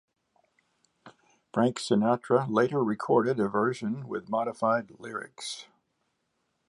Frank Sinatra later recorded a version with modified lyrics.